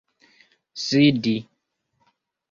sidi